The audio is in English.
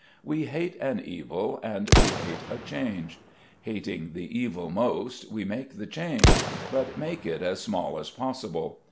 We hate an evil, and we hate a change. Hating the evil most, we make the change, but we make it as small as possible.